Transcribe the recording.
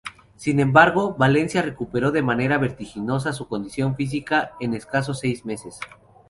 Sin embargo, Valencia recuperó de manera vertiginosa su condición física en escasos seis meses.